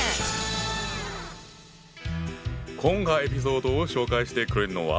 今回エピソードを紹介してくれるのは。